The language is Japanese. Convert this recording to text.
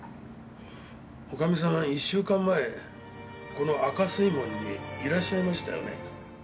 女将さん１週間前この赤水門にいらっしゃいましたよね？